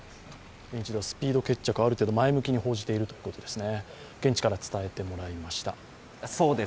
スピード決着、ある程度前向きに報じているということですね。